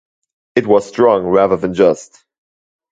It was strong rather than just.